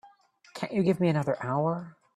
Can't you give me another hour?